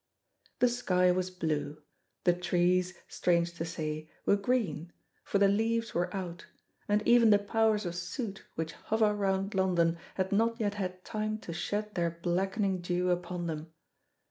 The sky was blue; the trees, strange to say, were green, for the leaves were out, and even the powers of soot which hover round London had not yet had time to shed their blackening dew upon them.